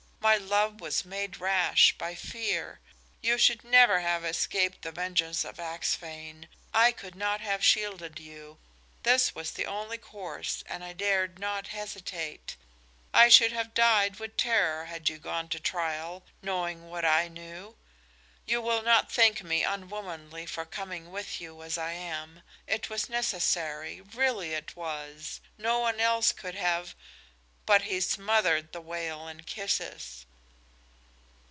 My love was made rash by fear. You could never have escaped the vengeance of Axphain. I could not have shielded you. This was the only course and I dared not hesitate. I should have died with terror had you gone to trial, knowing what I knew. You will not think me unwomanly for coming with you as I am. It was necessary really it was! No one else could have " But he smothered the wail in kisses.